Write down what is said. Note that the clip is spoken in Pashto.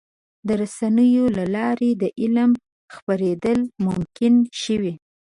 د رسنیو له لارې د علم خپرېدل ممکن شوي.